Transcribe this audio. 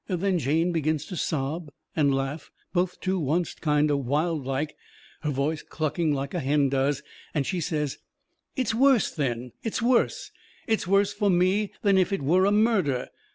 Then Jane begins to sob and laugh, both to oncet, kind o' wild like, her voice clucking like a hen does, and she says: "It's worse then, it's worse! It's worse for me than if it were a murder!